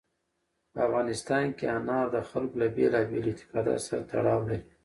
په افغانستان کې انار د خلکو له بېلابېلو اعتقاداتو سره تړاو لري.